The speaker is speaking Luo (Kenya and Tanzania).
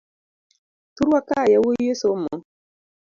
Thurwa ka yawuoi osomo.